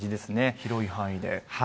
広い範囲で。